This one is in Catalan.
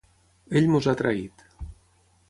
Ell ens ha traït.